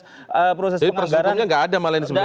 jadi persyukurnya enggak ada malah ini sebenarnya